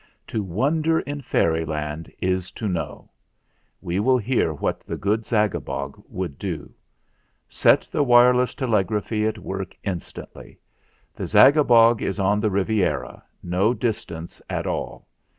To wonder in Fairyland is to know. We will hear what the good Zagabog would do. Set the wireless telegraphy at work instantly. The Zagabog is on the Riviera no distance at all.